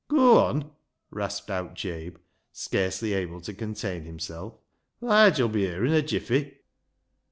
" Goa on !" rasped out Jabe, scarcely able to contain himself. " Lige 'ull be here in a jiffy."